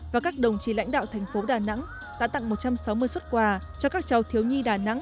và các đồng chí lãnh đạo thành phố đà nẵng đã tặng một trăm sáu mươi xuất quà cho các cháu thiếu nhi đà nẵng